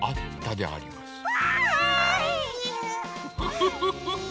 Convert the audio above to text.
フフフフ。